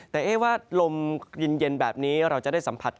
แต่ว่าลมเย็นแบบนี้เราจะได้สัมผัส